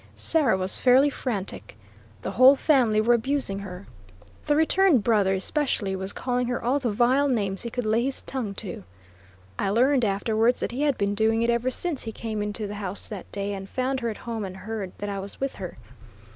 Sarah was fairly frantic. The whole family were abusing her. The returned brother especially, was calling her all the vile names he could lay his tongue to. I learned afterwards that he had been doing it ever since he came into the house that day and found her at home and heard that I was with her.